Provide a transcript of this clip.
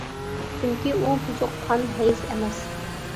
چۈنكى ئۇ بۇزۇق قان، ھەيز ئەمەس.